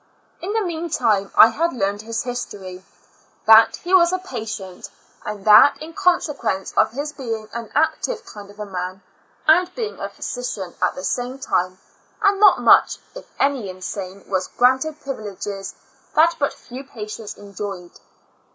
In the meantime I had learn ed his history — that he was a patient, and that in consequence of his being an active kind of a man, and being a physician at the same time, and not much, if any, insane, was granted privileges that but few patients enjoyed.